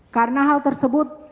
karena hal tersebut